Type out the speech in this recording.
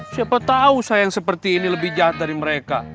siapa tau sayang seperti ini lebih jahat dari mereka